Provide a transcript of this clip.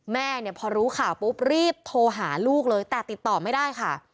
แม่เนี่ยพอรู้ข่าวปุ๊บรีบโทรหาลูกเลยแต่ติดต่อไม่ได้ค่ะ